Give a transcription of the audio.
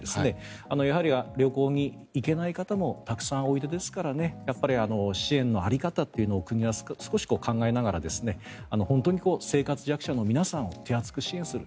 やはり旅行に行けない方もたくさんおいでですから支援の仕方というのを国は少し考えながら本当に生活弱者の皆さんを手厚く支援する。